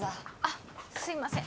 あっすいません